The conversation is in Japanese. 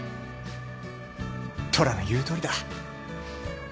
虎の言うとおりだ。